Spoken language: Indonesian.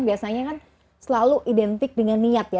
biasanya kan selalu identik dengan niat ya